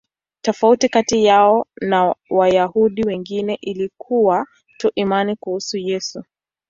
Tofauti kati yao na Wayahudi wengine ilikuwa tu imani kuhusu Yesu.